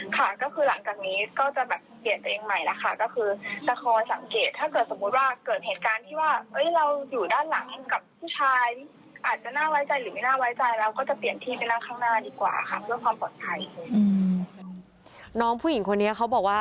ค่ะก็คือหลังจากนี้ก็จะแบบเปลี่ยนตัวเองใหม่ละค่ะ